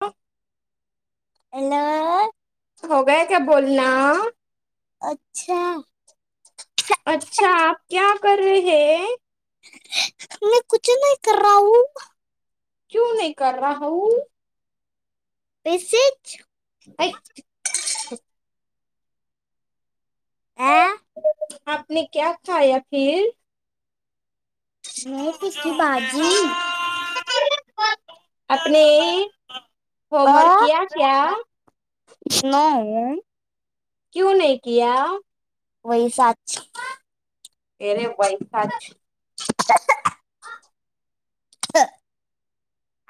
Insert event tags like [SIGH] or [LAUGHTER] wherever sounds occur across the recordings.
ह [UNINTELLIGIBLE] एण [UNINTELLIGIBLE] होगया क्या बोल ना. अच्छा. अच्छा आप क्या कर रहै. मे कुछ नाही कर रहा हुं. क्यु नाही कर रहा हुं. वेसेच. ऐ, [INAUDIBLE] [INAUDIBLE] आपने क्या खाया फिर. मैने कुछ आपने होमवर्क किया क्या? नो. क्यू नाही किया? वई साच येरे वैसाच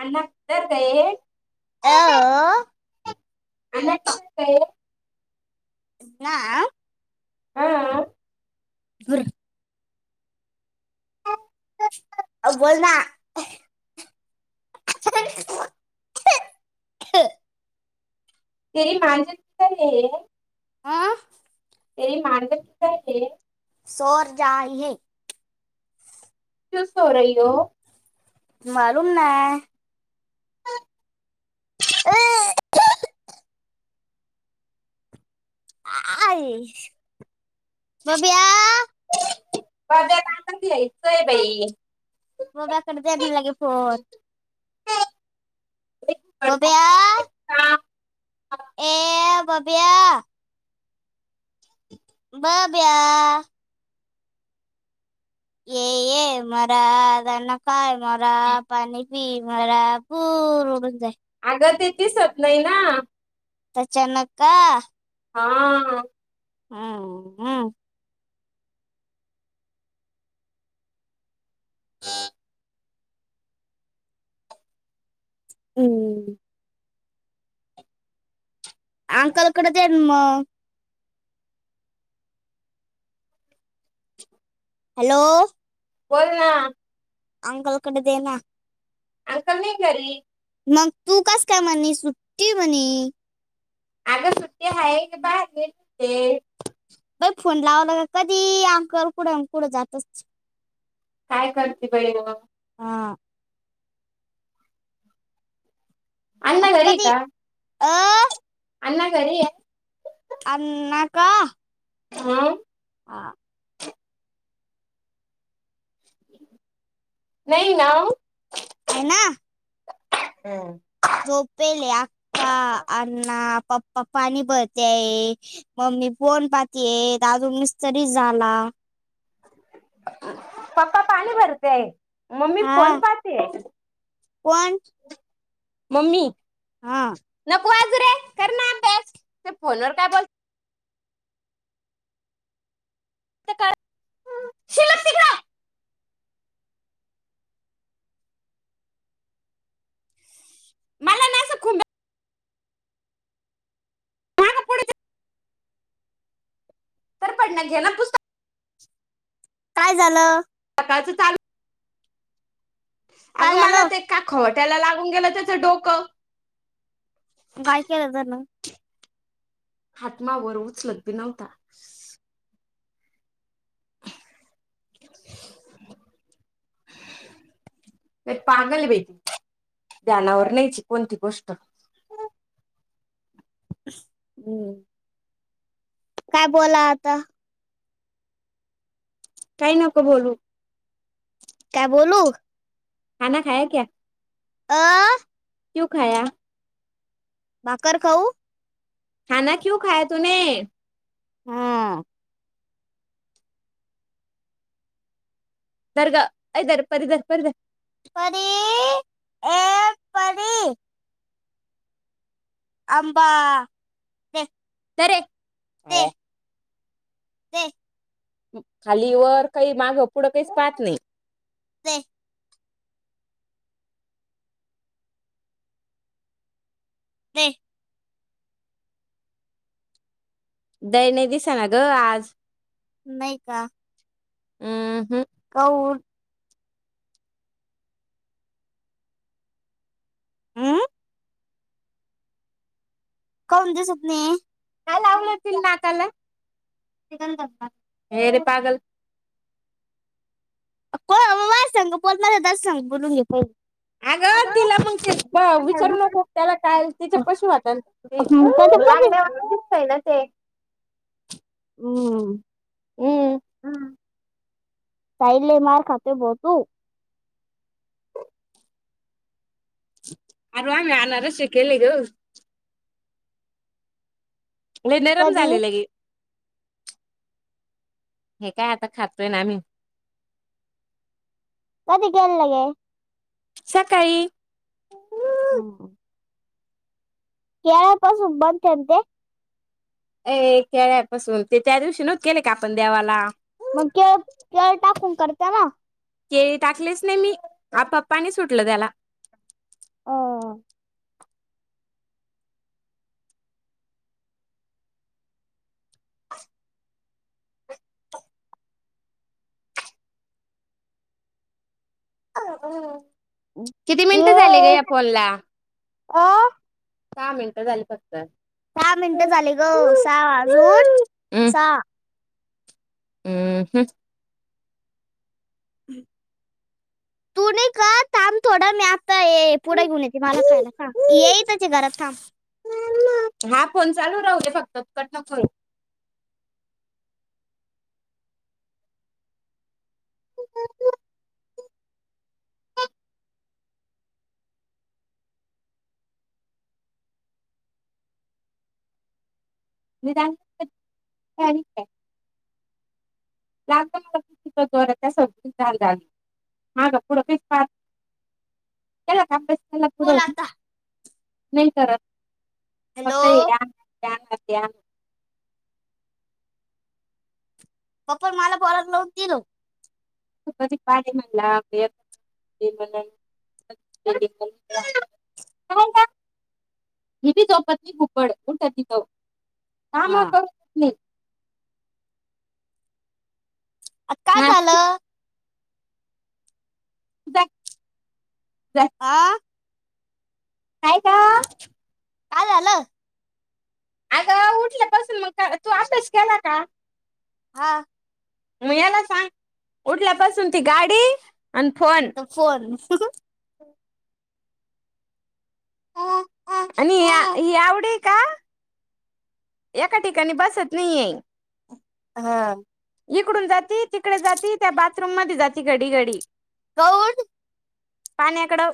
आण्णा किदर गये अ आण्णा किदर गये ना हा घर अ बोल ना तरी माझ [UNINTELLIGIBLE] हे हाँ, तेरी [UNINTELLIGIBLE] सोर जाय हे क्यू सो रही हो मालुम नाय अ, आय बब्या बब्या ला पण घयचय बाई बाब्या कड द्या ना लगे फोन. एक बडा- बब्या. एक काम ए बाब्या. बब्या. ये ये मरा जण काय मरा पाणी. मी मला पूर उडून जाई. अगं तेचे सप्लाय ना? तचानक कां. हां. हम् हा. हम्म. आंकल कड दे न म. हॅलो. बोल ना. आंकल कड दे ना. आंकल नाई घरी. मग तू कस काय म्हणे सुट्टी म्हणे. अगं सुट्टी हाय [UNINTELLIGIBLE] बग फोन लावलं क कधी अंकल कुठंन कुठं जातच काय करते बाई म. हां. अण्णा आता घरी कधी अ. आण्णा घरी हायत? आण्णा का. हां. आ. नाही ना. आहे ना. हम्. झोपेले आक्का, आण्णा. पप्पा पाणी भरते मम्मी फोन पाहतीये दादु मिस्तरी झाला. पप्पा पाणी भरते आहे. मम्मी फोन हा पाहते? मम्मी. हां. तू आत जा रे कर ना अभियास ते फोन वर काय बोल [INAUDIBLE] मला ना असं खूप भे. [UNINTELLIGIBLE] तर पडण्यात घे ना पुस्तक काय झालं? सकाळचं चालू. काय अगं मला झालं ते का खवट त्याला लागून गेलं त्याच डोकं मग काय केल त्यान हातमावर उचलत बी नव्हता तर पागल बेटी ध्यानावर नाहीची कोणती गोष्ट हम्म काय बोला आता काही नको बोलू काय बोलू खाना खाया क्या आं क्यू खाया भाकर खाऊ खाना क्यू खाय तूने हा धर ग अय धर परी धर परी धर परी ए परी आंबा अरे ते काळ्या ते खाली वर काही मागं पुढं काहीच पाहत नाही ते ते दै नाही दिसा ना ग आज नाही का हम्म हम् काऊन हमम काऊन दिसत नाही. काय लावल रे तिला नाकाला? [UNINTELLIGIBLE] ये रे पागल. [UNINTELLIGIBLE] माझ्यासंग बोलणार त्याच्यासंग बोलून घे [UNINTELLIGIBLE] अगं पहिले तिला मग ते ब अ विचारू नको त्याला काय तिच्या कधीपासून [UNINTELLIGIBLE] अम्म हम्म हां. साई लय मार खाते ब तू. अरे आम्ही अनारसे केले गं. लय नरम कधी झाले लगे. हे काय आता खातोय ना मी. कधी केलं गं? सकाळी. हम्म. केळापासून बनते ना ते? अ केळ्यापासून ते त्या दिवशी न केले का आपण देवाला? मग केळ केळ टाकून करता ना? केळी टाकलेच नाही मी आपाप पाणी सुटलं त्याला. अ [INAUDIBLE] किती मिनिटं झाले गं ते- या फोनला? दहा मिनटं झाली फक्त. दहा मिनटं झाले ग. सहा अजून सहा. हम्म. ह. तू नाई का थांब थोड. मी आता पुडा घेऊन येते मला खायलाां येई त्याचे घरात थांब. हा फोन चालू राहू दे फक्त. कट नको करू. विधान [UNINTELLIGIBLE] [UNINTELLIGIBLE] [UNINTELLIGIBLE] [INAUDIBLE] तर. बोल आता फक्त हॅलो येड्या. दया-दया. पप्पा मला परत लावून दिल. [UNINTELLIGIBLE] [INAUDIBLE] काम करू देत हा नाहीत. काय हा तू झालं. [UNINTELLIGIBLE] [INAUDIBLE] आ. काय ग. काय झालं. अगं उठल्यापासून म क तू अभ्यास केला का? हां. मग याला सांग उठल्यापासून ती गाडी आणि फोन [UNINTELLIGIBLE] फोन. [INAUDIBLE] [UNINTELLIGIBLE] आणि या यावडे का? एका ठिकाणी बसत नाहीये. हं. इकडून जाती तिकडे जाती त्या बाथरूममध्ये जाती घडी घडी. [UNINTELLIGIBLE] पाण्याकडं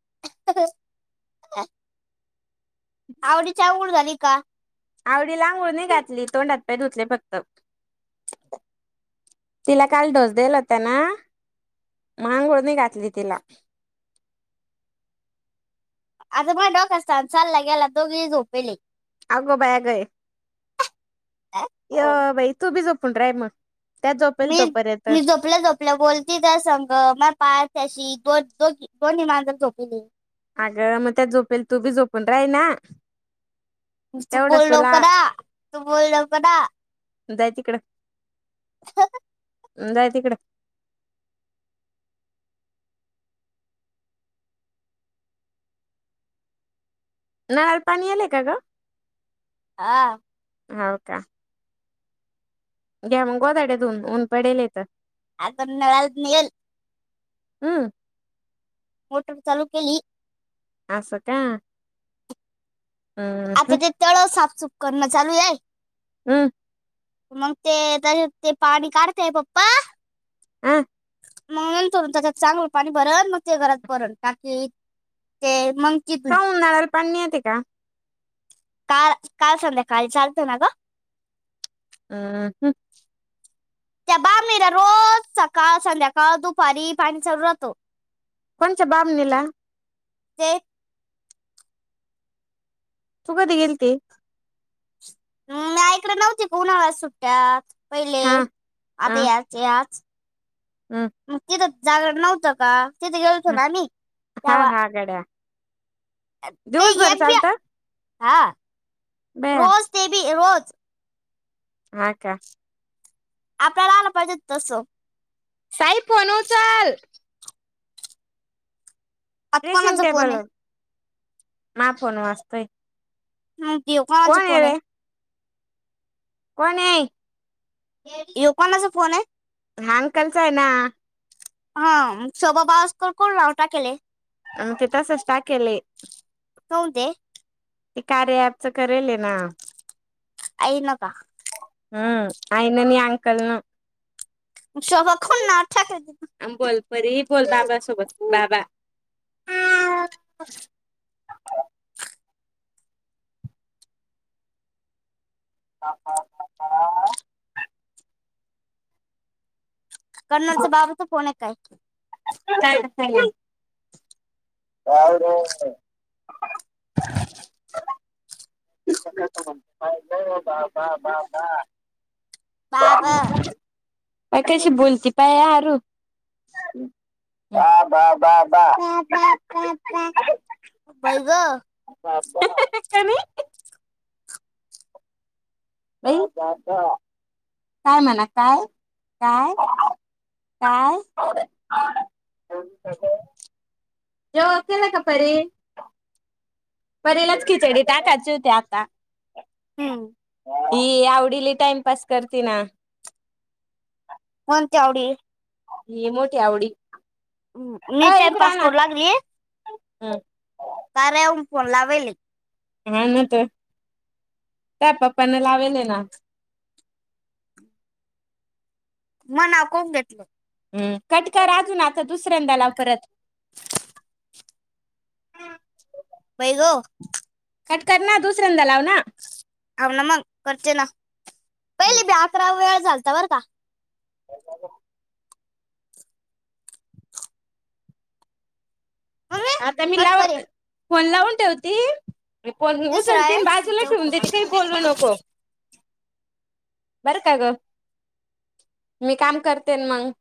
[INAUDIBLE] आवडीच्या उड झाली. का? आवडीला अंघोळ नाई घातली. तोंड, हात, पाय धुतले फक्त. तिला काल डोस दिला होत ना मग अंघोळ नय घातली तिला. आता माझ्या डोक्याचा ताण चालला गेला दोघेही झोपेले. अगो बाया गय अ, य भाई तू बी झोप. [INAUDIBLE] मी मी झोपलं झोपलं बोलती त्यासंग म पाय थ्याशी दोन दोन दोन्ही मांजर झोपिले. अगं मग त्या झोपेल तू बी झोपून राही ना. तू तेवढंच बोल तुला लवकर आ [INAUDIBLE] तू बोल लवकर आ [INAUDIBLE] जाय तिकडं जाय तिकड- [INAUDIBLE] नळा ला पाणी यायलाय का ग [INAUDIBLE] [INAUDIBLE] हा- [INAUDIBLE] हाव का [INAUDIBLE] [INAUDIBLE] घ्या मग गोधड्या धून ऊन पडेल हाय त [INAUDIBLE] आता नळा ले नही येल [INAUDIBLE] [INAUDIBLE] अ [INAUDIBLE] मोटर चालू केली, [INAUDIBLE] आस का- [INAUDIBLE] हम्म आता हम्म ते तळ साफ सुफ करणं चालू हाय- [INAUDIBLE] हम [INAUDIBLE] मग ते तर ते पाणी काढतेय पप्पा, [INAUDIBLE] आ- [INAUDIBLE] मग नंतर त्याच्यात चांगलं पाणी भरन मग ते घरात भरेल टाकी [INAUDIBLE] ते मग की तु [INAUDIBLE] काऊन नळाला पाणी नही येते का, [INAUDIBLE] काल काल संध्याकाळीच आल थ ना ग [INAUDIBLE] [INAUDIBLE] अ हम- त्या बामिला रोज सकाळ संध्याकाळ दुपारी पाणी चालू राहत. कोनच्या बामनी ला [INAUDIBLE] [INAUDIBLE] ते एक [INAUDIBLE] तु कधी गेलती. मी आईकडे नव्हती. का उन्हाळयांच्या सुट्ट्यात. पहिले, हा हा आता याच याच हम्म तीथ जागर नव्हतं का तिथे गेलत हो ना आम्ही, हा तेव्हा हा गड्या काही दिवसभर एक बी चालतात हा. रोज तेबी, रोज ह [UNINTELLIGIBLE] हा. का. आपल्याला आल पाहिजे होत तस साई फोन उचल आता कोणाचा फोन ये माय फोन वाजतोय हम्. हो कोणाच कोण आहे फोन हे रे कोण हे यो कोणाचा फोन हे हां, अंकल चा हे ना हा हा स्वभाभस्कर कोण नाव टाकेेले आम ते तसच टाकेले हे होऊंदे ते कार्य आपचं करेले ना अईन का हम्म आईननी अंकलन शोभा कोणी नाव टाकेल बोल परी बोल बाबा सोबत बाबा ब ह का पा का [INAUDIBLE] [UNINTELLIGIBLE] कर्नलचा बाबाचा फोन य [INAUDIBLE] [UNINTELLIGIBLE] का र बा. बा. बा. बा पाप. पाय कशी बोलती, पायआरु बा. बा. बा. बई ग. कनी. ई काय म्हणा काय, काय, काय जेवण केला का परी. परीलाच खिचडी टाकाचि हूती आता. हम्म. ह आवडीली टाइमपस करते ना. कोण तऊडी. ही मोठी आवडी मी टाइम पास करू लागली. हम्. कार्य हून फोन लावेल. ह नत काय पप्पने लावेेल ना. माय नाव काऊन घेतलं. ह कट कर अजून आता दुसऱ्यांदा लाव परत बई ग. कट कर ना दुसऱ्यांदा लाव ना. आव ना मग करते ना. पहिले बी अकरा वेळेस चालत बरका मम्मी आता मी कट लाव. करे फोन लावून ठेवती. तिसरा उचल त आहे बाजूला चौथा ठेवून देते काही बोलू नको. बरं काय ग मी काम करते मंग.